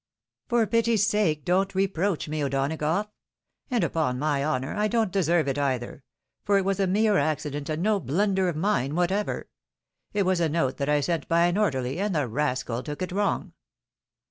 " For pity's sake, don't reproach me, O'Donagough ! And, upon my honour, I don't deserve it, either ; for it was a mere accident, and no blunder of mine whatever. It was a note that I sent by an orderly, and the rascal took it wrong."